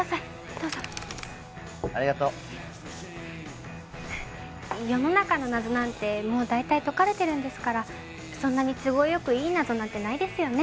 どうぞありがとう世の中の謎なんてもう大体解かれてるんですからそんなに都合よくいい謎なんてないですよね